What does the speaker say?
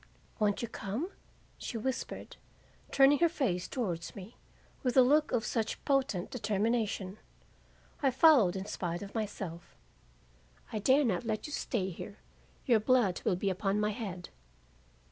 "'Won't you come?' she whispered, turning her face towards me with a look of such potent determination, I followed in spite of myself 'I dare not let you stay here, your blood will be upon my head.